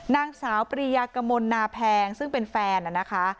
นางสาวปริยากมลนาแพงซึ่งเป็นแฟนนะคะ